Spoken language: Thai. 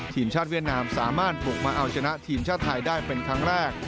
ทีมชาติเวียดนามสามารถบุกมาเอาชนะทีมชาติไทยได้เป็นครั้งแรก